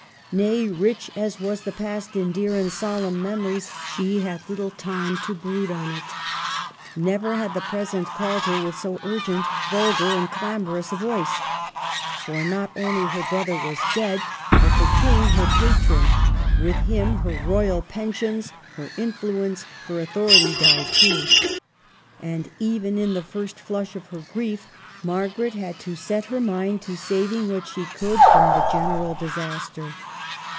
Nay, rich as was the past in dear and solemn memories, she had little time to brood on it. Never had the present called her with so urgent, vulgar, and clamorous a voice. For not only her brother was dead, but the King her patron ; with him her royal pensions, her influence, her authority, died too. And even in the first flush of her grief Margaret had to set her mind to saving what she could from the general disaster.